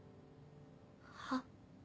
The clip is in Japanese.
はっ？